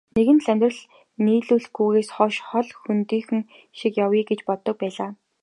Нэгэнт л амьдрал нийлүүлэхгүйгээс хойш хол хөндийхөн шиг явъя гэж боддог байлаа.